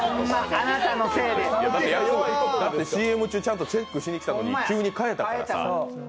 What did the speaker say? だってＣＭ中ちゃんとチェックしたのに急に変えたからさ。